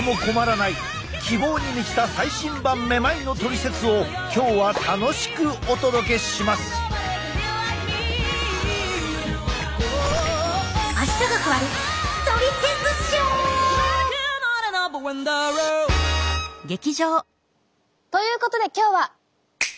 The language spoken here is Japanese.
希望に満ちた最新版めまいのトリセツを今日は楽しくお届けします！ということで今日は。